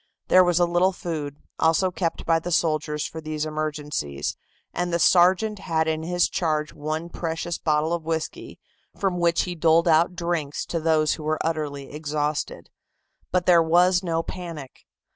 There was a little food, also kept by the soldiers for these emergencies, and the sergeant had in his charge one precious bottle of whisky, from which he doled out drinks to those who were utterly exhausted. But there was no panic.